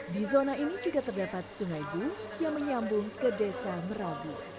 di zona ini juga terdapat sungai bu yang menyambung ke desa merabu